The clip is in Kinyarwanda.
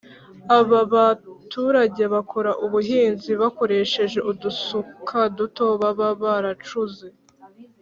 Aba baturage bakora ubuhinzi bakoresheje udusuka duto baba baracuze